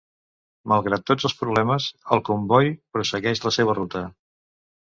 Malgrat tots els problemes, el comboi prossegueix la seva ruta.